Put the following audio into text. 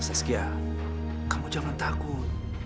sas gia kamu jangan takut